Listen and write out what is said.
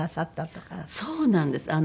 そうなんです。